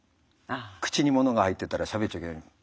口にものが入ってたらしゃべっちゃいけない。